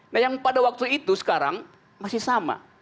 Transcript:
nah yang pada waktu itu sekarang masih sama